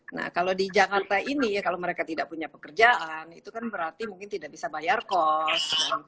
nah kalau di jakarta ini ya kalau mereka tidak punya pekerjaan itu kan berarti mungkin tidak bisa bayar kos